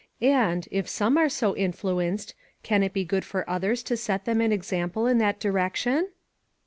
And, if some are so in fluenced, can it be good for others to set them an example in that direction?"